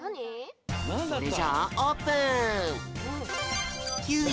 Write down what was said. それじゃあオープン！